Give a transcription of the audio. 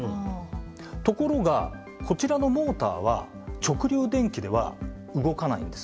ところがこちらのモーターは直流電気では動かないんです。